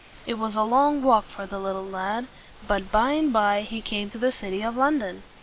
It was a long walk for the little lad; but by and by he came to the city of London.